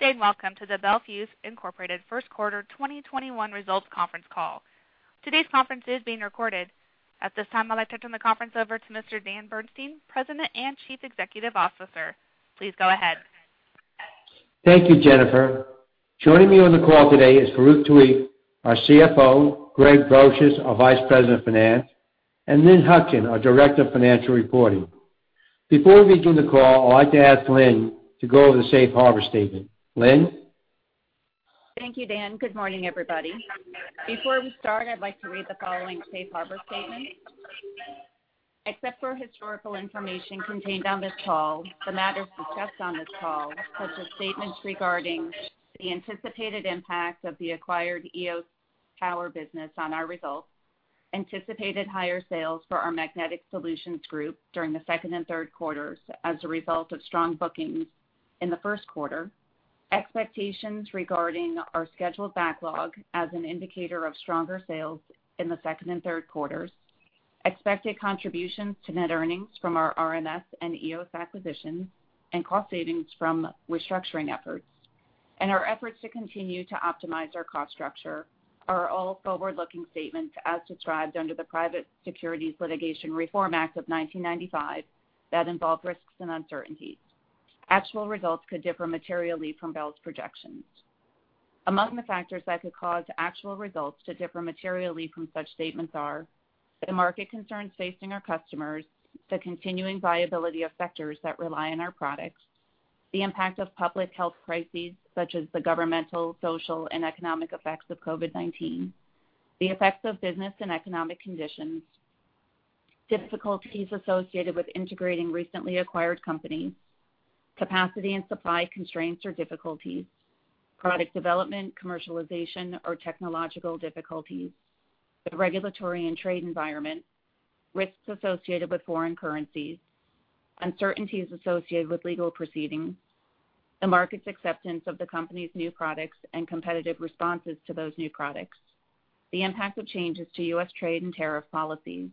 Good day, and Welcome to the Bel Fuse Inc. first quarter 2021 results conference call. Today's conference is being recorded. At this time, I'd like to turn the conference over to Mr. Dan Bernstein, President and Chief Executive Officer. Please go ahead. Thank you, Jennifer. Joining me on the call today is Farouq Tuweiq, our CFO, Craig Brosious, our Vice President of Finance, and Lynn Hutkin, our Director of Financial Reporting. Before we begin the call, I'd like to ask Lynn to go over the safe harbor statement. Lynn? Thank you, Dan. Good morning, everybody. Before we start, I'd like to read the following safe harbor statement. Except for historical information contained on this call, the matters discussed on this call, such as statements regarding the anticipated impact of the acquired EOS Power business on our results, anticipated higher sales for our Magnetic Solutions group during the second and third quarters as a result of strong bookings in the first quarter, expectations regarding our scheduled backlog as an indicator of stronger sales in the second and third quarters, expected contributions to net earnings from our rms and EOS acquisitions, and cost savings from restructuring efforts, and our efforts to continue to optimize our cost structure, are all forward-looking statements as described under the Private Securities Litigation Reform Act of 1995 that involve risks and uncertainties. Actual results could differ materially from Bel's projections. Among the factors that could cause actual results to differ materially from such statements are the market concerns facing our customers, the continuing viability of sectors that rely on our products, the impact of public health crises, such as the governmental, social, and economic effects of COVID-19, the effects of business and economic conditions, difficulties associated with integrating recently acquired companies, capacity and supply constraints or difficulties, product development, commercialization, or technological difficulties, the regulatory and trade environment, risks associated with foreign currencies, uncertainties associated with legal proceedings, the market's acceptance of the company's new products and competitive responses to those new products, the impact of changes to U.S. trade and tariff policies,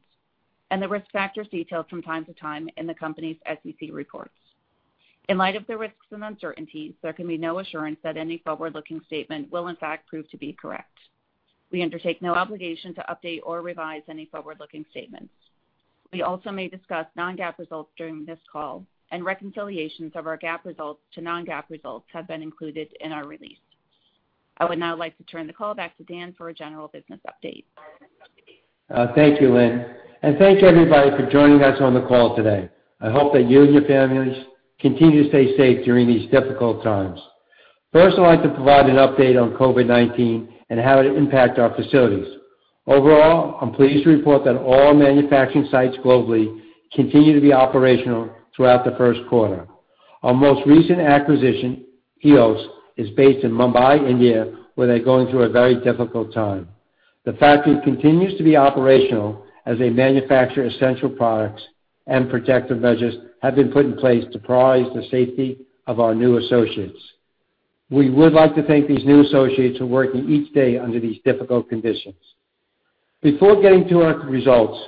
and the risk factors detailed from time to time in the company's SEC reports. In light of the risks and uncertainties, there can be no assurance that any forward-looking statement will in fact prove to be correct. We undertake no obligation to update or revise any forward-looking statements. We also may discuss non-GAAP results during this call, and reconciliations of our GAAP results to non-GAAP results have been included in our release. I would now like to turn the call back to Dan for a general business update. Thank you, Lynn, and thank you, everybody, for joining us on the call today. I hope that you and your families continue to stay safe during these difficult times. First, I'd like to provide an update on COVID-19 and how it impacted our facilities. Overall, I'm pleased to report that all manufacturing sites globally continued to be operational throughout the first quarter. Our most recent acquisition, EOS, is based in Mumbai, India, where they're going through a very difficult time. The factory continues to be operational as they manufacture essential products, and protective measures have been put in place to prioritize the safety of our new associates. We would like to thank these new associates who are working each day under these difficult conditions. Before getting to our results,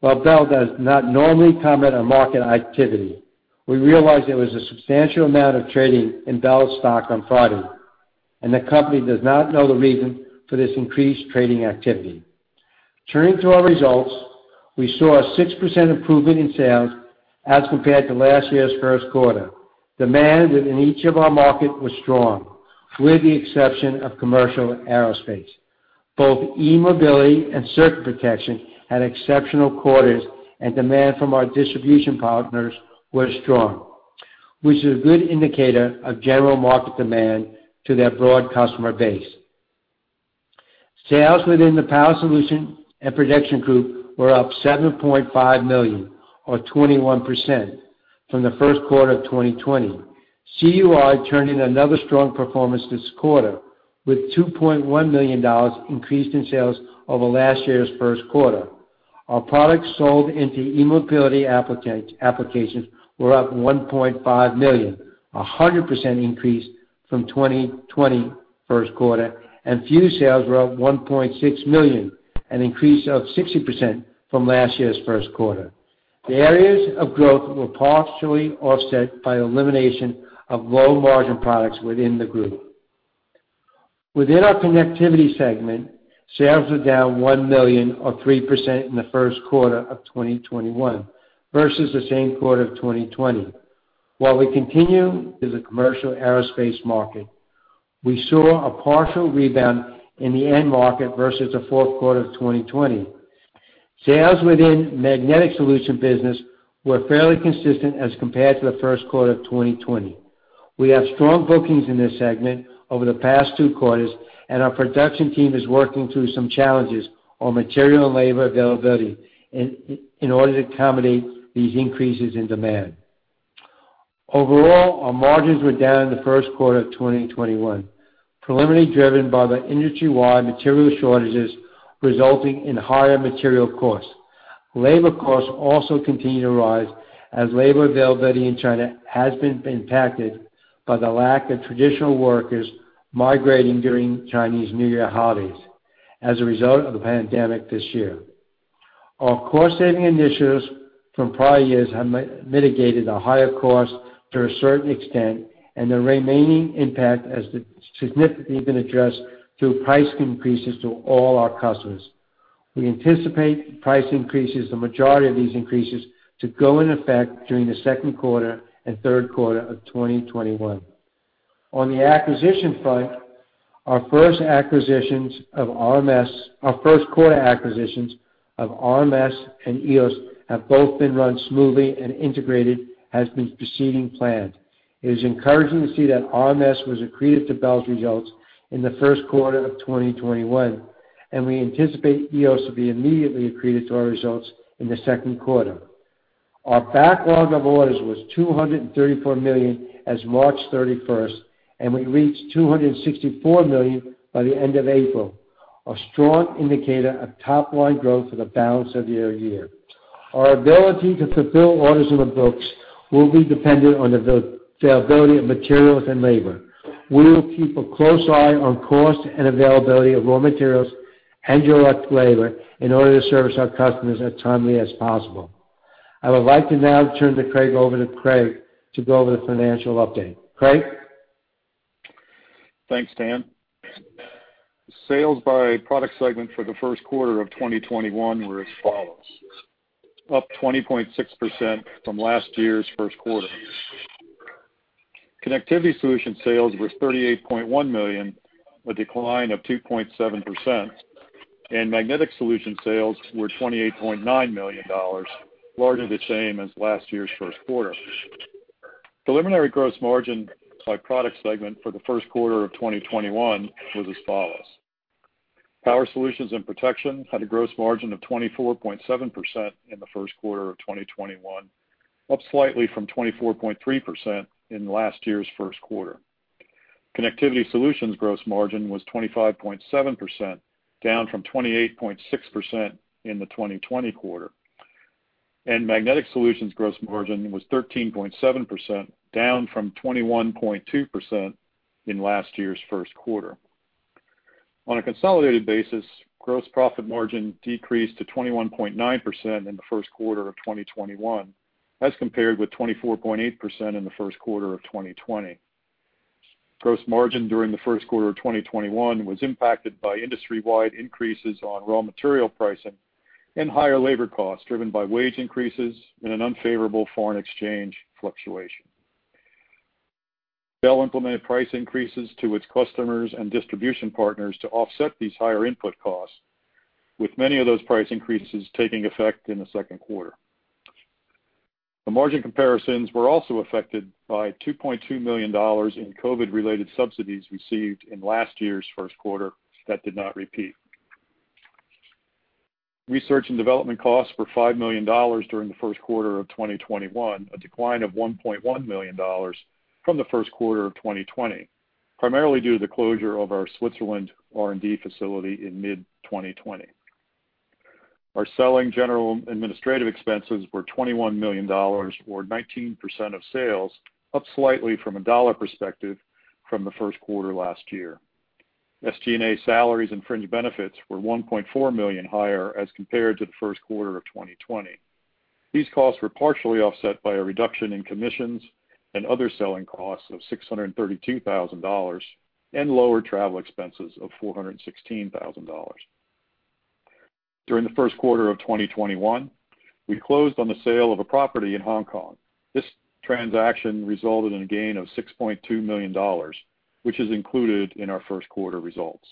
while Bel does not normally comment on market activity, we realize there was a substantial amount of trading in Bel stock on Friday, and the company does not know the reason for this increased trading activity. Turning to our results, we saw a 6% improvement in sales as compared to last year's first quarter. Demand within each of our markets was strong, with the exception of commercial aerospace. Both e-mobility and circuit protection had exceptional quarters, and demand from our distribution partners was strong, which is a good indicator of general market demand to their broad customer base. Sales within the Power Solutions and Protection group were up $7.5 million, or 21%, from the first quarter of 2020. CUI turned in another strong performance this quarter, with a $2.1 million increase in sales over last year's first quarter. Our products sold into e-mobility applications were up $1.5 million, 100% increase from 2020 first quarter, and fuse sales were up $1.6 million, an increase of 60% from last year's first quarter. The areas of growth were partially offset by elimination of low-margin products within the group. Within our Connectivity segment, sales were down $1 million, or 3%, in the first quarter of 2021 versus the same quarter of 2020. While we continue to the commercial aerospace market, we saw a partial rebound in the end market versus the fourth quarter of 2020. Sales within Magnetic Solutions business were fairly consistent as compared to the first quarter of 2020. We have strong bookings in this segment over the past two quarters, and our production team is working through some challenges on material and labor availability in order to accommodate these increases in demand. Overall, our margins were down in the first quarter of 2021, primarily driven by the industry-wide material shortages resulting in higher material costs. Labor costs also continue to rise as labor availability in China has been impacted by the lack of traditional workers migrating during Chinese New Year holidays as a result of the pandemic this year. Our cost-saving initiatives from prior years have mitigated a higher cost to a certain extent, and the remaining impact has significantly been addressed through price increases to all our customers. We anticipate the price increases, the majority of these increases, to go in effect during the second quarter and third quarter of 2021. On the acquisition front, our first quarter acquisitions of rms and EOS have both been run smoothly, and integration has been proceeding as planned. It is encouraging to see that rms was accretive to Bel's results in the first quarter of 2021, and we anticipate EOS to be immediately accretive to our results in the second quarter. Our backlog of orders was $234 million as March 31st, and we reached $264 million by the end of April, a strong indicator of top-line growth for the balance of the year. Our ability to fulfill orders on the books will be dependent on the availability of materials and labor. We will keep a close eye on cost and availability of raw materials and direct labor in order to service our customers as timely as possible. I would like to now turn it over to Craig to go over the financial update. Craig? Thanks, Dan. Sales by product segment for the first quarter of 2021 were as follows, up 20.6% from last year's first quarter. Connectivity Solutions sales were $38.1 million, a decline of 2.7%. Magnetic Solutions sales were $28.9 million, largely the same as last year's first quarter. Preliminary gross margin by product segment for the first quarter of 2021 was as follows. Power Solutions and Protection had a gross margin of 24.7% in the first quarter of 2021, up slightly from 24.3% in last year's first quarter. Connectivity Solutions gross margin was 25.7%, down from 28.6% in the 2020 quarter. Magnetic Solutions gross margin was 13.7%, down from 21.2% in last year's first quarter. On a consolidated basis, gross profit margin decreased to 21.9% in the first quarter of 2021, as compared with 24.8% in the first quarter of 2020. Gross margin during the first quarter of 2021 was impacted by industry-wide increases on raw material pricing and higher labor costs, driven by wage increases and an unfavorable foreign exchange fluctuation. Bel implemented price increases to its customers and distribution partners to offset these higher input costs, with many of those price increases taking effect in the second quarter. The margin comparisons were also affected by $2.2 million in COVID-related subsidies received in last year's first quarter that did not repeat. Research and development costs were $5 million during the first quarter of 2021, a decline of $1.1 million from the first quarter of 2020, primarily due to the closure of our Switzerland R&D facility in mid-2020. Our Selling, General & Administrative Expenses were $21 million, or 19% of sales, up slightly from a dollar perspective from the first quarter last year. SG&A salaries and fringe benefits were $1.4 million higher as compared to the first quarter of 2020. These costs were partially offset by a reduction in commissions and other selling costs of $632,000, and lower travel expenses of $416,000. During the first quarter of 2021, we closed on the sale of a property in Hong Kong. This transaction resulted in a gain of $6.2 million, which is included in our first quarter results.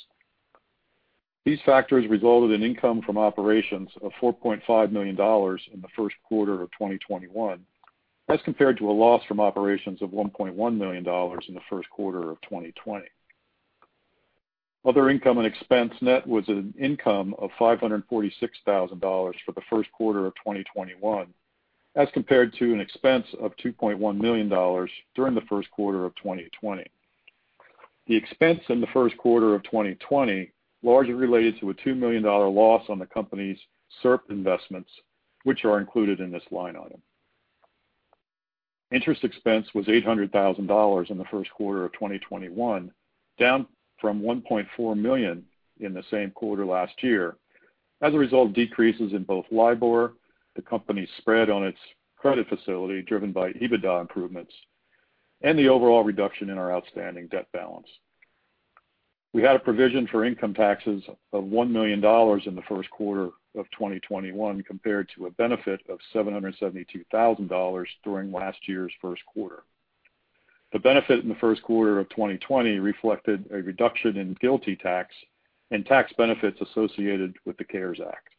These factors resulted in income from operations of $4.5 million in the first quarter of 2021, as compared to a loss from operations of $1.1 million in the first quarter of 2020. Other income and expense net was an income of $546,000 for the first quarter of 2021, as compared to an expense of $2.1 million during the first quarter of 2020. The expense in the first quarter of 2020 largely related to a $2 million loss on the company's SERP investments, which are included in this line item. Interest expense was $800,000 in the first quarter of 2021, down from $1.4 million in the same quarter last year, as a result of decreases in both LIBOR, the company's spread on its credit facility driven by EBITDA improvements, and the overall reduction in our outstanding debt balance. We had a provision for income taxes of $1 million in the first quarter of 2021, compared to a benefit of $772,000 during last year's first quarter. The benefit in the first quarter of 2020 reflected a reduction in GILTI tax and tax benefits associated with the CARES Act.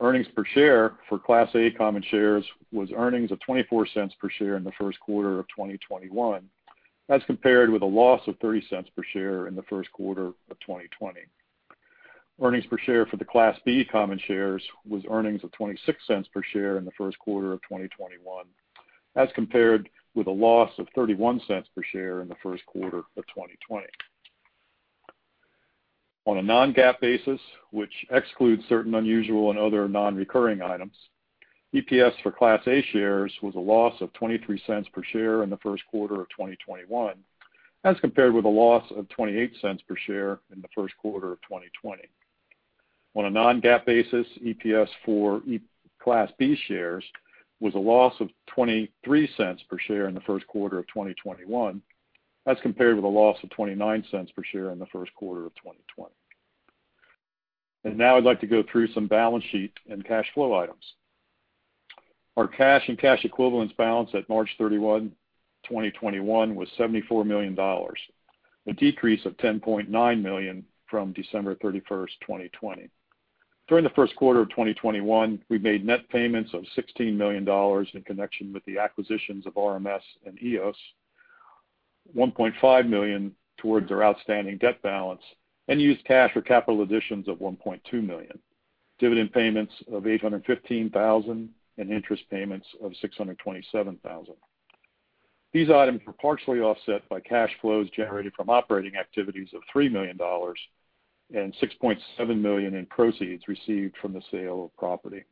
Earnings per share for Class A common shares was earnings of $0.24 per share in the first quarter of 2021, as compared with a loss of $0.30 per share in the first quarter of 2020. Earnings per share for the Class B common shares was earnings of $0.26 per share in the first quarter of 2021, as compared with a loss of $0.31 per share in the first quarter of 2020. On a non-GAAP basis, which excludes certain unusual and other non-recurring items, EPS for Class A shares was a loss of $0.23 per share in the first quarter of 2021, as compared with a loss of $0.28 per share in the first quarter of 2020. On a non-GAAP basis, EPS for Class B shares was a loss of $0.23 per share in the first quarter of 2021, as compared with a loss of $0.29 per share in the first quarter of 2020. Now I'd like to go through some balance sheet and cash flow items. Our cash and cash equivalents balance at March 31, 2021, was $74 million, a decrease of $10.9 million from December 31st, 2020. During the first quarter of 2021, we made net payments of $16 million in connection with the acquisitions of rms and EOS, $1.5 million towards our outstanding debt balance, and used cash for capital additions of $1.2 million, dividend payments of $815,000, and interest payments of $627,000. These items were partially offset by cash flows generated from operating activities of $3 million and $6.7 million in proceeds received from the sale of property.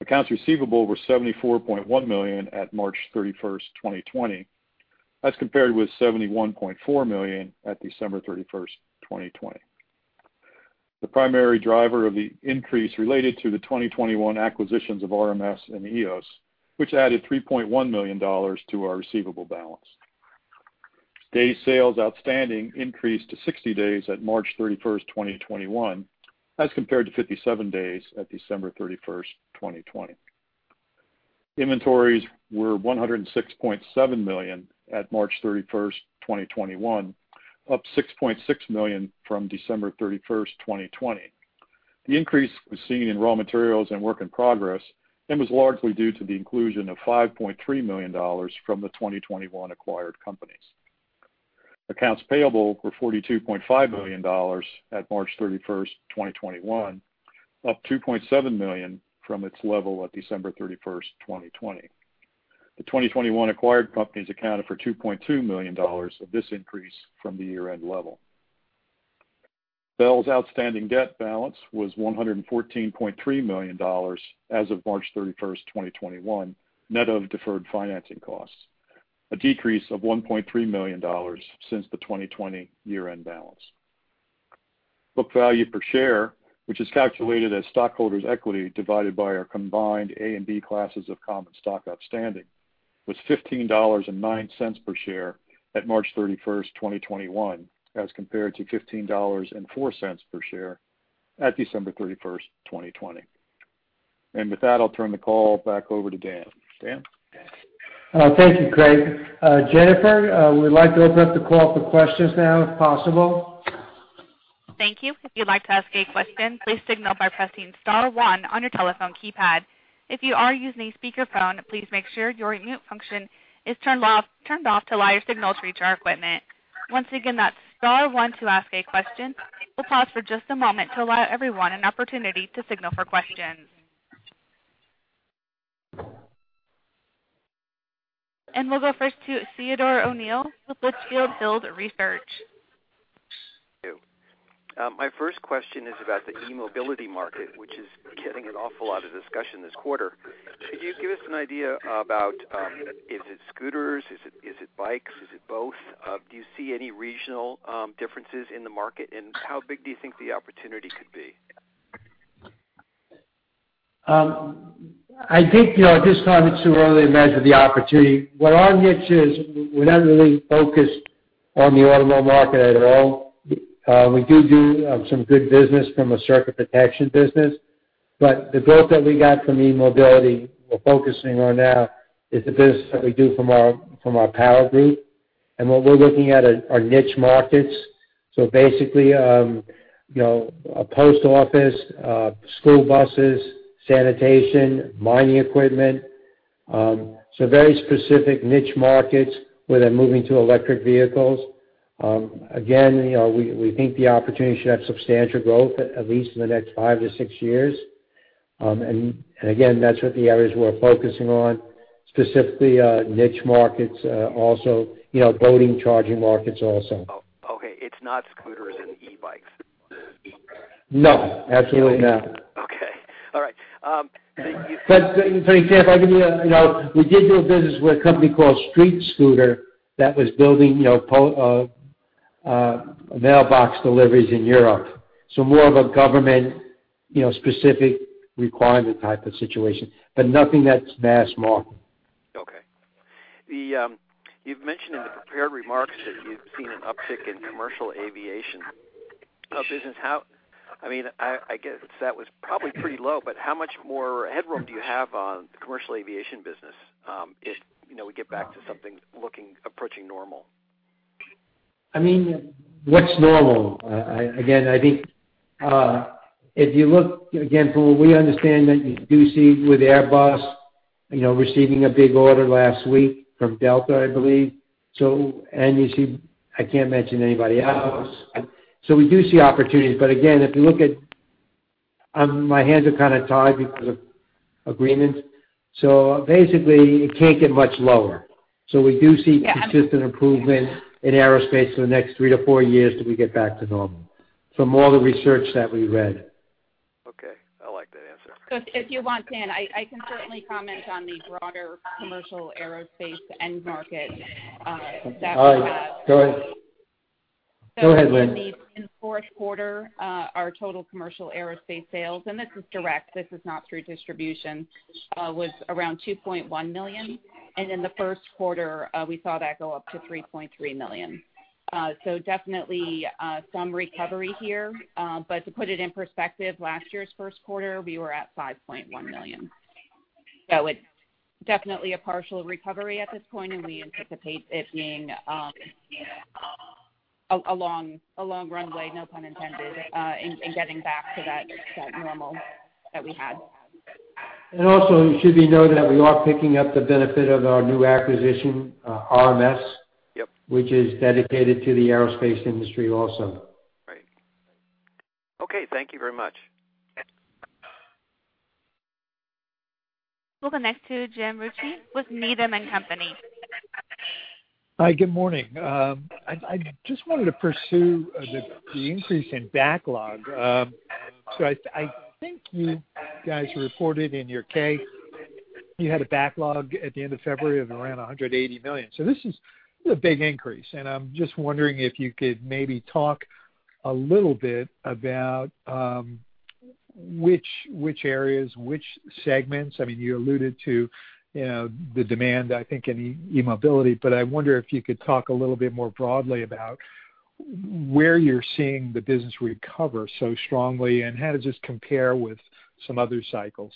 Accounts receivable were $74.1 million at March 31st, 2020, as compared with $71.4 million at December 31st, 2020. The primary driver of the increase related to the 2021 acquisitions of rms and EOS, which added $3.1 million to our receivable balance. Days sales outstanding increased to 60 days at March 31st, 2021, as compared to 57 days at December 31st, 2020. Inventories were $106.7 million at March 31st, 2021, up $6.6 million from December 31st, 2020. The increase was seen in raw materials and work in progress and was largely due to the inclusion of $5.3 million from the 2021 acquired companies. Accounts payable were $42.5 million at March 31st, 2021, up $2.7 million from its level at December 31st, 2020. The 2021 acquired companies accounted for $2.2 million of this increase from the year-end level. Bel's outstanding debt balance was $114.3 million as of March 31st, 2021, net of deferred financing costs, a decrease of $1.3 million since the 2020 year-end balance. Book value per share, which is calculated as stockholders' equity divided by our combined Class A and Class B classes of common stock outstanding, was $15.09 per share at March 31st, 2021, as compared to $15.04 per share at December 31st, 2020. With that, I'll turn the call back over to Dan. Dan? Thank you, Craig. Jennifer, we'd like to open up the call for questions now, if possible. Thank you. If you'd like to ask a question, please signal by pressing star one on your telephone keypad. If you are using a speakerphone, please make sure your mute function is turned off to allow your signal to reach our equipment. Once again, that's star one to ask a question. We'll pause for just a moment to allow everyone an opportunity to signal for questions. We'll go first to Theodore O'Neill with Litchfield Hills Research. Thank you. My first question is about the e-mobility market, which is getting an awful lot of discussion this quarter. Can you give us an idea about, is it scooters? Is it bikes? Is it both? Do you see any regional differences in the market, and how big do you think the opportunity could be? I think, at this time, it's too early to measure the opportunity. Where our niche is, we're not really focused on the automobile market at all. We do some good business from a circuit protection business. The growth that we got from e-mobility we're focusing on now is the business that we do from our power group. What we're looking at are niche markets. Basically, a post office, school buses, sanitation, mining equipment. Very specific niche markets where they're moving to electric vehicles. Again, we think the opportunity should have substantial growth, at least in the next five to six years. Again, that's what the areas we're focusing on, specifically niche markets, also boating charging markets also. Okay. It's not scooters and e-bikes. No, absolutely not. Okay. All right. For example, we did do a business with a company called StreetScooter that was building mailbox deliveries in Europe. More of a government specific requirement type of situation, but nothing that's mass market. Okay. You've mentioned in the prepared remarks that you've seen an uptick in commercial aviation business. I guess that was probably pretty low, but how much more headroom do you have on the commercial aviation business if we get back to something approaching normal? What's normal? Again, I think if you look, again, from what we understand that you do see with Airbus receiving a big order last week from Delta, I believe. I can't mention anybody else. We do see opportunities, but again, my hands are kind of tied because of agreements. Basically, it can't get much lower. Yeah. Consistent improvement in aerospace for the next three to four years till we get back to normal, from all the research that we read. Okay. I like that answer. If you want, Dan, I can certainly comment on the broader commercial aerospace end market. All right. Go ahead. Go ahead, Lynn. In the fourth quarter, our total commercial aerospace sales, and this is direct, this is not through distribution, was around $2.1 million. In the first quarter, we saw that go up to $3.3 million. Definitely some recovery here. To put it in perspective, last year's first quarter, we were at $5.1 million. It's definitely a partial recovery at this point, and we anticipate it being a long runway, no pun intended, in getting back to that normal that we had. Also, it should be noted that we are picking up the benefit of our new acquisition, rms- Yep. Which is dedicated to the aerospace industry also. Right. Okay, thank you very much. We'll connect to Jim Ricchiuti with Needham & Company. Hi, good morning. I just wanted to pursue the increase in backlog. I think you guys reported in your K, you had a backlog at the end of February of around $180 million. This is a big increase, and I'm just wondering if you could maybe talk a little bit about which areas, which segments. I mean, you alluded to the demand, I think, in e-mobility, but I wonder if you could talk a little bit more broadly about where you're seeing the business recover so strongly, and how does this compare with some other cycles?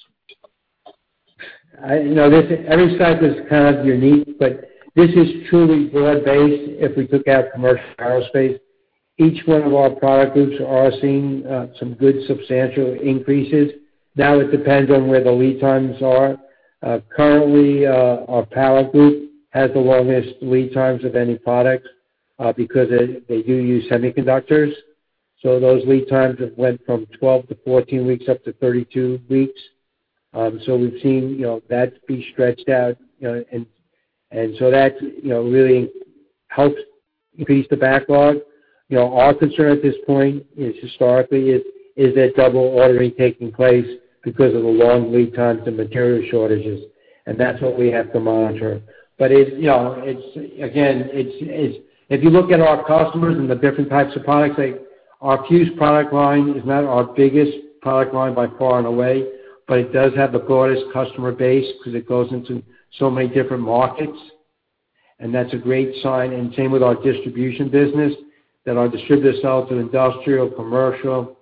Every cycle is kind of unique. This is truly broad-based if we took out commercial aerospace. Each one of our product groups are seeing some good substantial increases. Now it depends on where the lead times are. Currently, our power group has the longest lead times of any product because they do use semiconductors. Those lead times have went from 12-14 weeks, up to 32 weeks. We've seen that be stretched out. That really helps increase the backlog. Our concern at this point is historically, is that double ordering taking place because of the long lead times and material shortages. That's what we have to monitor. Again, if you look at our customers and the different types of products, our fuse product line is not our biggest product line by far and away, but it does have the broadest customer base because it goes into so many different markets, and that's a great sign. Same with our distribution business, that our distributors sell to industrial, commercial,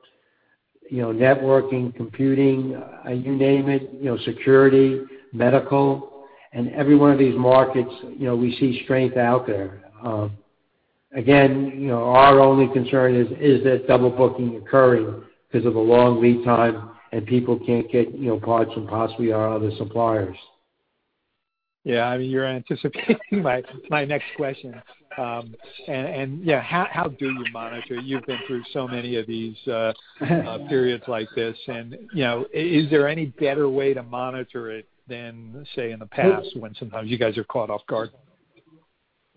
networking, computing, you name it, security, medical. In every one of these markets, we see strength out there. Again, our only concern is that double booking occurring because of a long lead time and people can't get parts from possibly our other suppliers. Yeah. I mean, you're anticipating my next question. Yeah, how do you monitor? You've been through so many of these periods like this and is there any better way to monitor it than, say, in the past when sometimes you guys are caught off guard?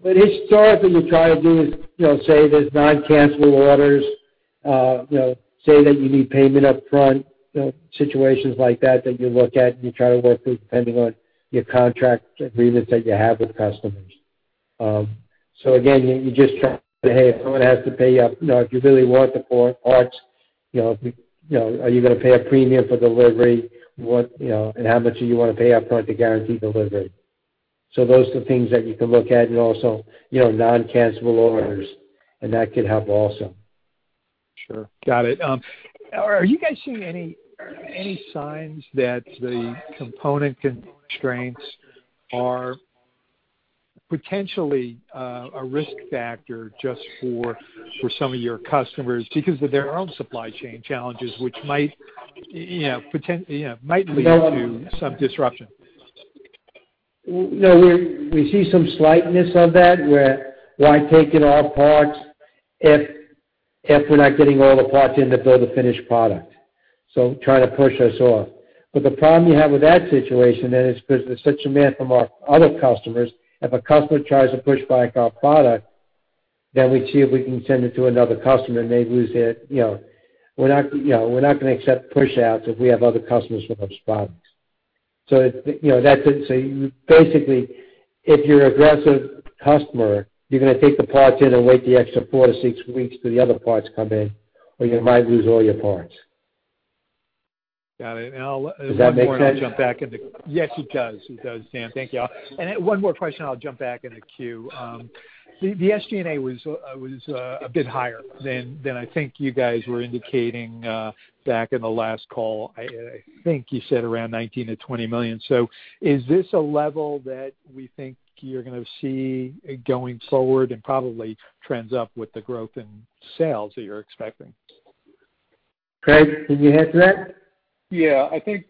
Historically, what you try to do is say there's non-cancelable orders, say that you need payment up front, situations like that you look at, and you try to work with depending on your contract agreements that you have with customers. Again, you just try to say, "Hey, someone has to pay up. If you really want the parts, are you going to pay a premium for delivery? And how much do you want to pay up front to guarantee delivery?" Those are the things that you can look at, and also non-cancelable orders, and that could help also. Sure. Got it. Are you guys seeing any signs that the component constraints are potentially a risk factor just for some of your customers because of their own supply chain challenges, which might lead to some disruption? No, we see some slightness of that, where, "Why take it all apart if we're not getting all the parts in to build a finished product?" Try to push us off. The problem you have with that situation then is because there's such demand from our other customers, if a customer tries to push back our product, then we see if we can send it to another customer, and they lose it. We're not going to accept pushouts if we have other customers for those products. Basically, if you're an aggressive customer, you're going to take the parts in and wait the extra four to six weeks till the other parts come in, or you might lose all your parts. Got it. Does that make sense? One more. Yes, it does. It does, Dan, Thank you. One more question, I'll jump back in the queue. The SG&A was a bit higher than I think you guys were indicating back in the last call. I think you said around $19 million-$20 million. Is this a level that we think you're going to see going forward and probably trends up with the growth in sales that you're expecting? Craig, can you answer that? Yeah. I think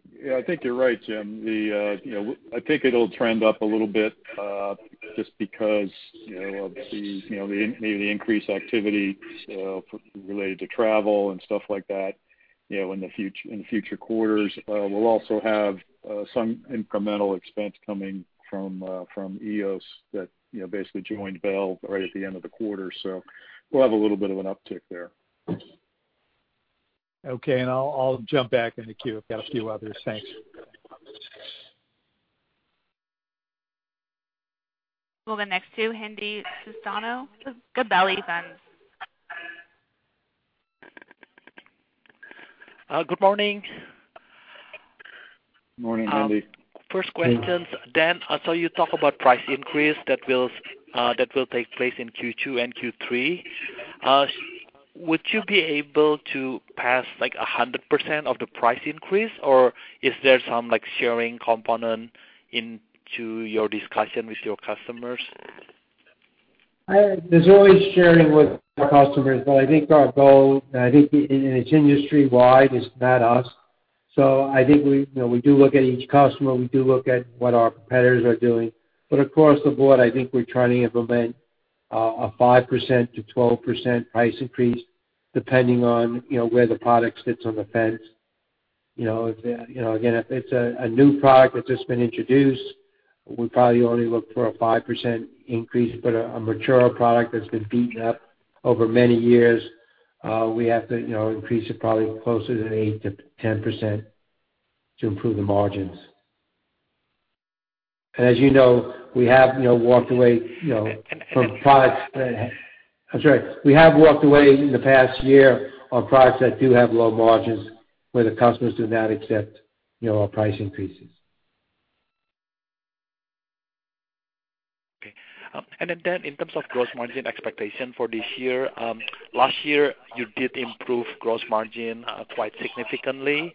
you're right, Jim. I think it'll trend up a little bit, just because of maybe the increased activity related to travel and stuff like that. In the future quarters, we'll also have some incremental expense coming from EOS that basically joined Bel right at the end of the quarter. We'll have a little bit of an uptick there. Okay. I'll jump back in the queue. I've got a few others. Thanks. We'll go next to Hendi Susanto with Gabelli Funds. Good morning. Morning, Hendi. First questions. Dan, I saw you talk about price increase that will take place in Q2 and Q3. Would you be able to pass 100% of the price increase, or is there some sharing component into your discussion with your customers? There's always sharing with our customers. I think our goal, and I think it's industry wide, it's not us. I think we do look at each customer, we do look at what our competitors are doing. Across the board, I think we're trying to implement a 5%-12% price increase depending on where the product sits on the fence. Again, if it's a new product that's just been introduced, we probably only look for a 5% increase. A mature product that's been beaten up over many years, we have to increase it probably closer to 8%-10% to improve the margins. As you know, we have walked away from products that do have low margins where the customers do not accept our price increases. Okay. Dan, in terms of gross margin expectation for this year, last year you did improve gross margin quite significantly.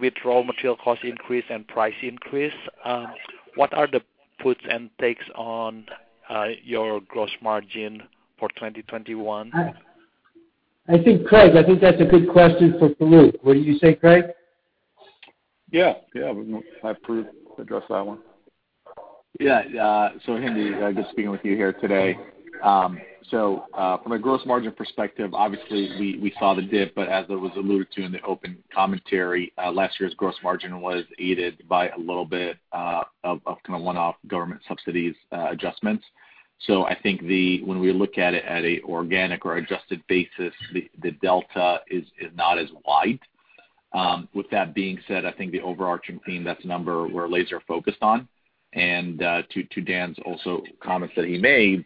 With raw material cost increase and price increase, what are the puts and takes on your gross margin for 2021? I think, Craig, I think that's a good question for Farouq. What do you say, Craig? Yeah. I have Farouq address that one. Yeah. Hendi, good speaking with you here today. From a gross margin perspective, obviously we saw the dip, but as it was alluded to in the open commentary, last year's gross margin was aided by a little bit of one-off government subsidies adjustments. I think when we look at it at a organic or adjusted basis, the delta is not as wide. With that being said, I think the overarching theme, that's a number we're laser focused on. To Dan's also comments that he made,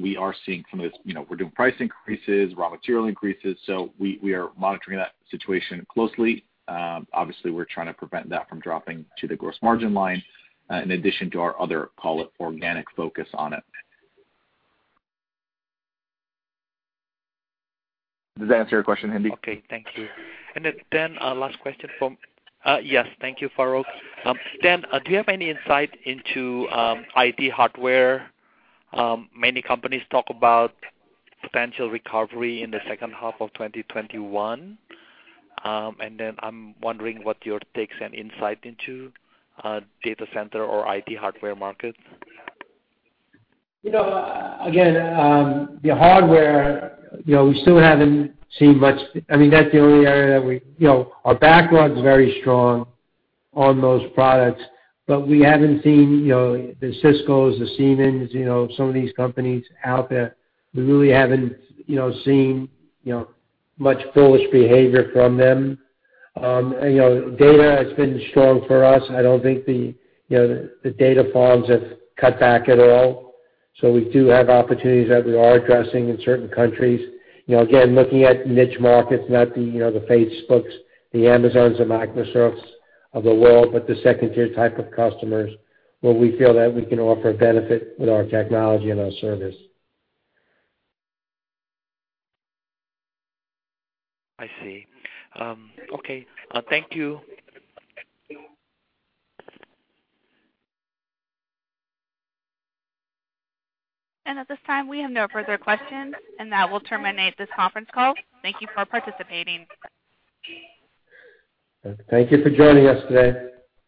we're doing price increases, raw material increases. We are monitoring that situation closely. Obviously, we're trying to prevent that from dropping to the gross margin line, in addition to our other, call it organic focus on it. Does that answer your question, Hendi? Okay, thank you. Dan, last question. Yes, thank you, Farouq. Dan, do you have any insight into IT hardware? Many companies talk about potential recovery in the second half of 2021. I'm wondering what your takes and insight into data center or IT hardware markets. Again, the hardware, we still haven't seen much. That's the only area that our backlog's very strong on those products, but we haven't seen the Cisco, the Siemens, some of these companies out there. We really haven't seen much foolish behavior from them. Data has been strong for us. I don't think the data farms have cut back at all. We do have opportunities that we are addressing in certain countries. Again, looking at niche markets, not the Facebook, the Amazon and Microsoft of the world, but the second tier type of customers where we feel that we can offer a benefit with our technology and our service. I see. Okay. Thank you. At this time, we have no further questions, and that will terminate this conference call. Thank you for participating. Thank you for joining us today.